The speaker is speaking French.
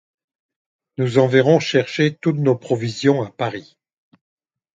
Nous enverrons chercher toutes nos provisions à Paris.